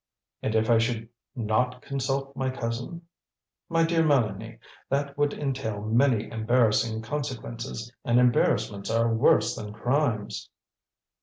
"And if I should not consult my cousin?" "My dear Mélanie, that would entail many embarrassing consequences; and embarrassments are worse than crimes."